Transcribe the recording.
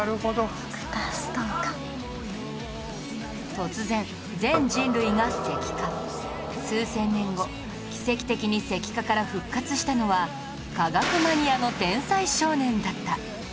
突然数千年後奇跡的に石化から復活したのは科学マニアの天才少年だった